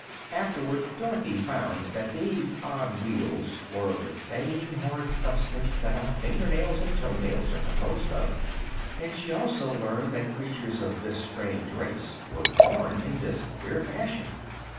Afterward Dorothy found that these odd wheels were of the same hard substance that our finger nails and toe nails are composed of, and she also learned that creatures of this strange race were born in this queer fashion.